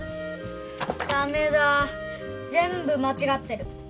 駄目だ全部間違ってる。